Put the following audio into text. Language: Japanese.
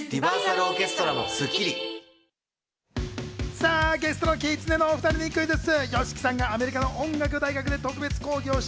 さぁ、ゲストのきつねの２人にクイズッス！